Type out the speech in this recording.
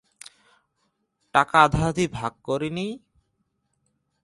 টাকা আধাআধি ভাগ করে নিই?